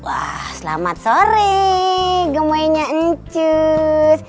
wah selamat sore gemenya ecus